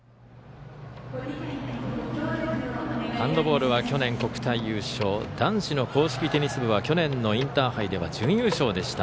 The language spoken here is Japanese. ハンドボールは去年、国体優勝男子の硬式テニス部は去年のインターハイでは準優勝でした。